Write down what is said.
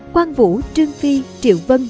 quang vũ trương phi triệu vân